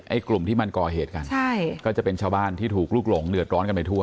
กลุ่มที่มันก่อเหตุกันใช่ก็จะเป็นชาวบ้านที่ถูกลุกหลงเดือดร้อนกันไปทั่ว